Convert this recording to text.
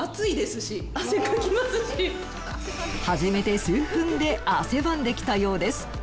始めて数分で汗ばんできたようです。